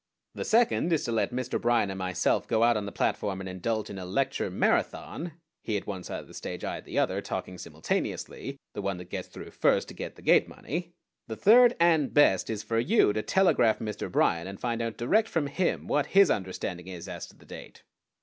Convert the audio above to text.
The second is to let Mr. Bryan and myself go out on the platform and indulge in a lecture Marathon, he at one side of the stage, I at the other, talking simultaneously, the one that gets through first to get the gate money. The third and best is for you to telegraph Mr. Bryan and find out direct from him what his understanding is as to the date."